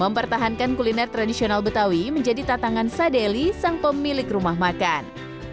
mempertahankan kuliner tradisional betawi menjadi tatangan sadeli sang pemilik rumah makan